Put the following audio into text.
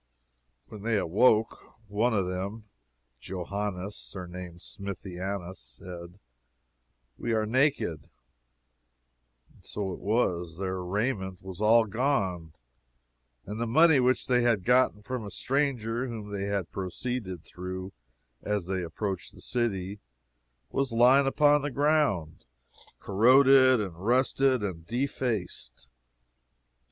When they awoke, one of them, Johannes surnamed Smithianus said, We are naked. And it was so. Their raiment was all gone, and the money which they had gotten from a stranger whom they had proceeded through as they approached the city, was lying upon the ground, corroded and rusted and defaced.